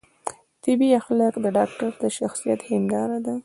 طبي اخلاق د ډاکتر د شخصیت هنداره ده.